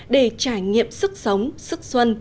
để trải nghiệm sức sống sức xuân